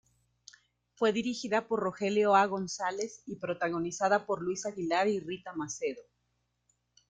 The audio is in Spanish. Fue dirigida por Rogelio A. González y protagonizada por Luis Aguilar y Rita Macedo.